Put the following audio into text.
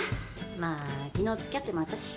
まあ昨日付き合ってもらったし。